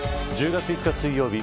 １０月５日水曜日